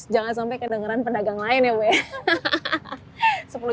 jangan sampai kedengeran pedagang lain ya bu ya